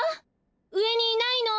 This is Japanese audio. うえにいないの？